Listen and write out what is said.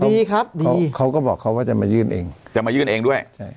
มีครับเขาก็บอกเขาว่าจะมายื่นเองจะมายื่นเองด้วยใช่